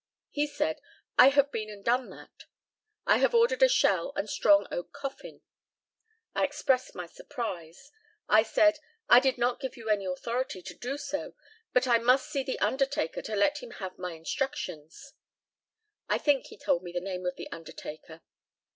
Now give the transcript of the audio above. He said, "I have been and done that. I have ordered a shell and strong oak coffin." I expressed my surprise. I said, "I did not give you any authority to do so, but I must see the undertaker to let him have my instructions." I think he told me the name of the undertaker.